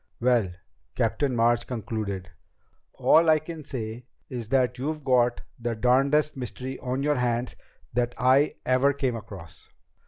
"Well," Captain March concluded, "all I can say is that you've got the darnedest mystery on your hands that I ever came across."